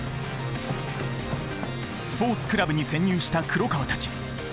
スポーツクラブに潜入した黒川たち。